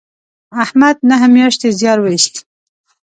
احمد نهه میاشتې زیار و ایست